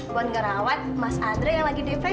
buat ngerawat mas andre yang lagi defek